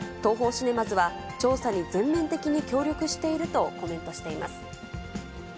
シネマズは、調査に全面的に協力しているとコメントしています。